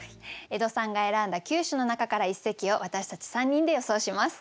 江戸さんが選んだ９首の中から一席を私たち３人で予想します。